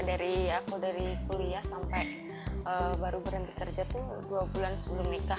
dari aku dari kuliah sampai baru berhenti kerja tuh dua bulan sebelum nikah